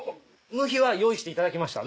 ムヒは用意していただきました